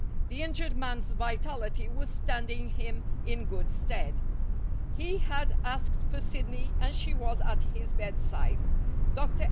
The injured man's vitality was standing him in good stead. He had asked for Sidney and she was at his bedside. Dr.